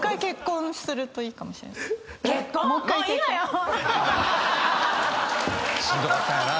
何で⁉しんどかったんやな。